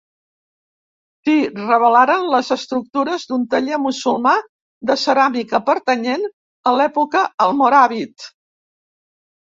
S'hi revelaren les estructures d'un taller musulmà de ceràmica pertanyent a l'època almoràvit.